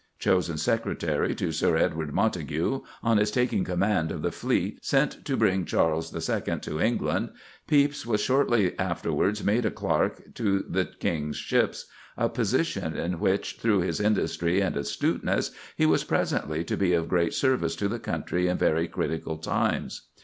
Chosen secretary to Sir Edward Montague on his taking command of the fleet sent to bring Charles the Second to England, Pepys was shortly afterwards made clerk to the King's ships, a position in which, through his industry and astuteness, he was presently to be of great service to the country in very critical times.